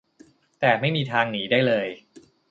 แต่ไม่มีทางหนีได้เลย